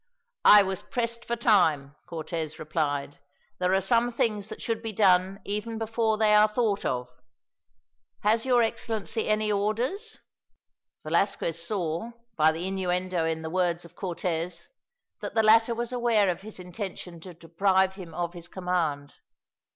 "I was pressed for time," Cortez replied. "There are some things that should be done even before they are thought of. Has your Excellency any orders?" Velasquez saw, by the innuendo in the words of Cortez, that the latter was aware of his intention to deprive him of his command.